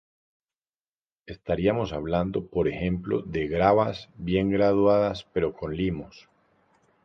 Estaríamos hablando por ejemplo de gravas bien graduadas pero con limos.